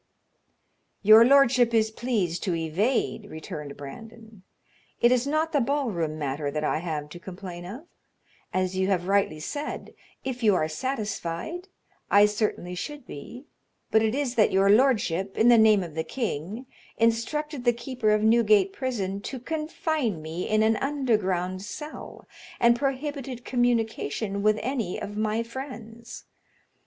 "Your lordship is pleased to evade," returned Brandon. "It is not the ball room matter that I have to complain of; as you have rightly said, if you are satisfied, I certainly should be; but it is that your lordship, in the name of the king, instructed the keeper of Newgate prison to confine me in an underground cell, and prohibited communication with any of my friends.